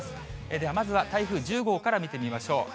では、まずは台風１０号から見てみましょう。